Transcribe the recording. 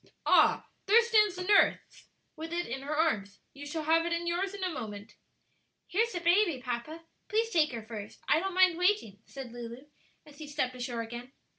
"Ah, there stands the nurse with it in her arms. You shall have it in yours in a moment." "Here's the baby, papa; please take her first; I don't mind waiting," said Lulu, as he stepped ashore again.